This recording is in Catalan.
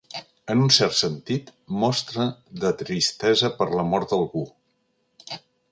En un cert sentit, mostra de tristesa per la mort d'algú.